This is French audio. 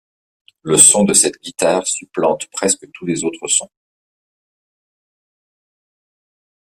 Le son de cette guitare supplante presque tous les autres sons.